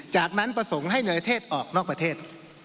จากนั้นประสงค์ให้เหนือเทศออกนอกประเทศ